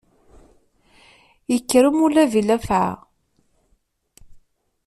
Ikker umulab i llafεa.